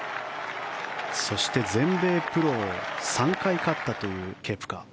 そして、全米プロを３回勝ったというケプカ。